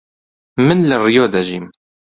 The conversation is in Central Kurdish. من لە ڕیۆ دەژیم.